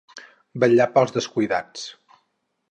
Vetllar pels descuidats.